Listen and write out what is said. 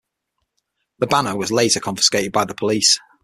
The banner was later confiscated by the police.